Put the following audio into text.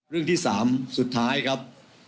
เรื่องที่๓สุดท้ายครับ